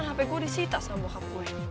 hape gua disita sama bokap gue